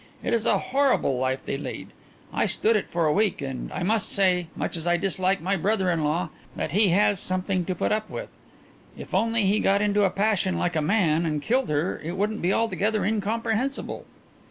It is a horrible life they lead. I stood it for a week and I must say, much as I dislike my brother in law, that he has something to put up with. If only he got into a passion like a man and killed her it wouldn't be altogether incomprehensible."